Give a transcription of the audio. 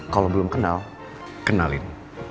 kalau belum kenal kenalin